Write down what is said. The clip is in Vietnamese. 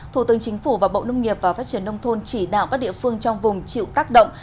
thủ tướng chính phủ và bộ nông nghiệp và phát triển nông thôn chỉ đạo các địa phương trong vùng chịu tác động